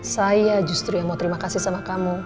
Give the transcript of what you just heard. saya justru yang mau terima kasih sama kamu